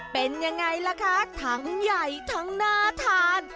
เป็นยังไงล่ะคะทั้งใหญ่ทั้งน่าทาน